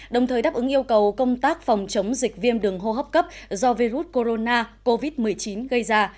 đồng thời đáp ứng yêu cầu công tác phòng chống dịch viêm đường hô hấp cấp do virus corona covid một mươi chín gây ra